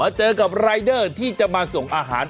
เจอกับรายเดอร์ที่จะมาส่งอาหาร